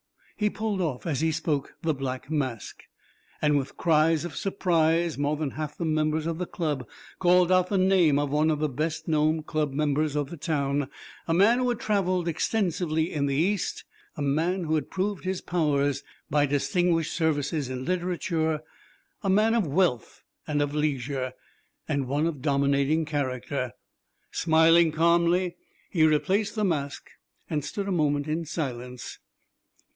He pulled off, as he spoke, the black mask, and with cries of surprise more than half the members of the Club called out the name of one of the best known club men of the town, a man who had traveled extensively in the East, a man who had proved his powers by distinguished services in literature, a man of wealth and of leisure, and one of dominating character. Smiling calmly, he replaced the mask, and stood a moment in silence.